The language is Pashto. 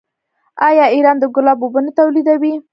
آیا ایران د ګلابو اوبه نه تولیدوي؟